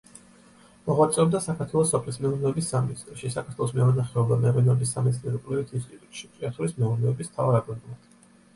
მოღვაწეობდა საქართველოს სოფლის მეურნეობის სამინისტროში, საქართველოს მევენახეობა-მეღვინეობის სამეცნიერო-კვლევით ინსტიტუტში, ჭიათურის მეურნეობის მთავარ აგრონომად.